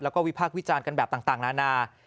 แล้วก็วิพากษ์วิจารณ์กันแบบต่างนานา